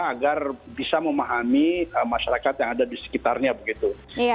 agar bisa memahami masyarakat yang ada di sekitarnya begitu